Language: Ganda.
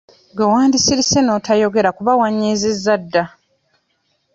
Gwe wandisirise n'otayogera kuba wanyiizizza dda.